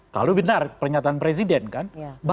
kalau benar pernyataan presiden kan